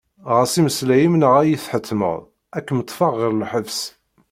Ɛass imeslayen-im neɣ ad iyi-tḥettmeḍ ad kem-ṭfeɣ ɣer lḥebs.